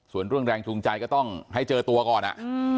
ส่วนเรื่องแรงจูงใจก็ต้องให้เจอตัวก่อนอ่ะ